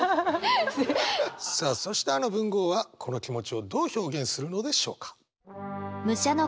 さあそしてあの文豪はこの気持ちをどう表現するのでしょうか？